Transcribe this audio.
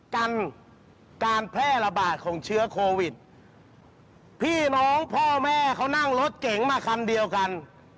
กันการแพร่ระบาดของเชื้อโควิดพี่น้องพ่อแม่เขานั่งรถเก๋งมาคันเดียวกัน